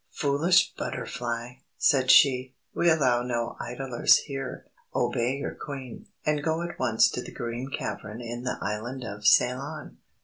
"Foolish Butterfly," said she, "we allow no idlers here. Obey your Queen, and go at once to the Green Cavern in the Island of Ceylon.